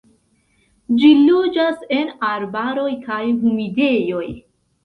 Ĝi loĝas en arbaroj kaj humidejoj.